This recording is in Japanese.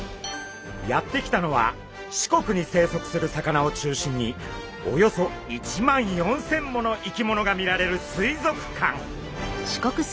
やって来たのは四国に生息する魚を中心におよそ１万４，０００もの生き物が見られる水族館！